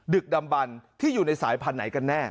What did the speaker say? ึกดำบันที่อยู่ในสายพันธุ์ไหนกันแน่